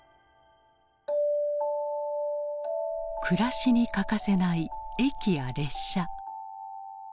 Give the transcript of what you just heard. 暮らしに欠かせない駅や列車。